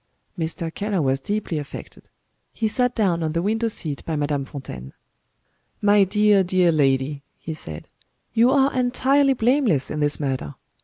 Mr. Keller was deeply affected. He sat down on the window seat by Madame Fontaine. "My dear, dear lady," he said, "you are entirely blameless in this matter.